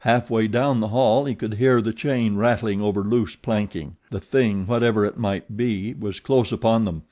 Halfway down the hall he could hear the chain rattling over loose planking, the THING, whatever it might be, was close upon them.